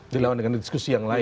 dilawan dengan diskusi yang lain